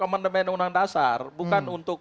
amandemen undang dasar bukan untuk